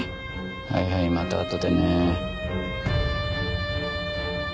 はいはいまたあとでね。